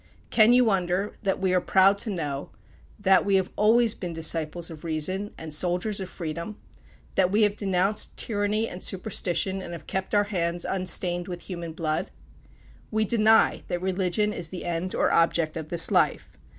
Can you wonder that we are proud to know, that we have always been disciples of Reason, and soldiers of Freedom; that we have denounced tyranny and superstition, and have kept our hands unstained with human blood? We deny that religion is the end or object of this life.